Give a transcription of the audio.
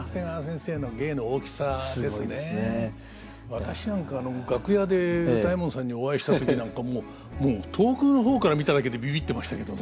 私なんか楽屋で歌右衛門さんにお会いした時なんかもう遠くの方から見ただけでビビッてましたけどね。